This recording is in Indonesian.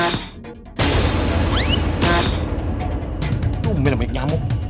ngomel banyak nyamuk